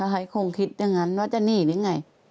ใครคงคิดอย่างนั้นว่าจะหนีหรือไง